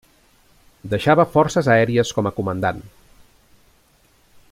Deixava Forces Aèries com a comandant.